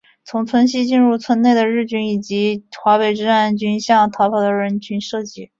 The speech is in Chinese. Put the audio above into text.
从村西进入村内的日军及华北治安军向逃跑的人群射击。